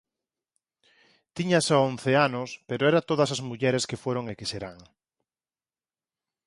Tiña só once anos pero era todas as mulleres que foron e que serán.